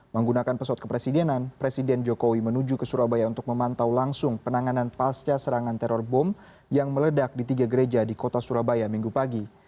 menggunakan pesawat kepresidenan presiden jokowi menuju ke surabaya untuk memantau langsung penanganan pasca serangan teror bom yang meledak di tiga gereja di kota surabaya minggu pagi